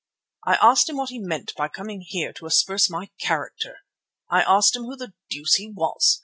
I asked him what he meant by coming here to asperse my character. I asked him who the deuce he was.